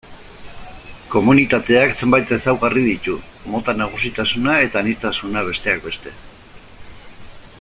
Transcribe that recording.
Komunitateak zenbait ezaugarri ditu: mota nagusitasuna eta aniztasuna, besteak beste.